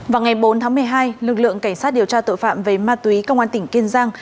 vào ngày bốn tháng một mươi hai lực lượng cảnh sát điều tra tội phạm về ma túy công an tỉnh kiên giang